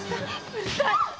うるさい！